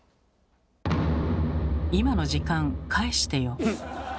今の時間返してよ。